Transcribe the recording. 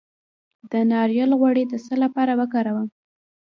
د ناریل غوړي د څه لپاره وکاروم؟